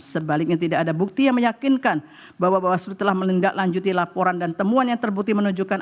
sebaliknya tidak ada bukti yang meyakinkan bahwa bawaslu telah menindaklanjuti laporan dan temuan yang terbukti menunjukkan